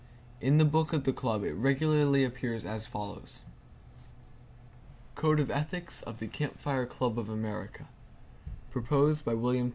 In the book of the Club it regularly appears as follows: CODE OF ETHICS OF THE CAMP FIRE CLUB OF AMERICA Proposed by Wm.